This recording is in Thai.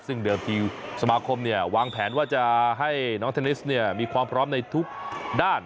ซึ่งเดิมทีสมาคมวางแผนว่าจะให้น้องเทนนิสมีความพร้อมในทุกด้าน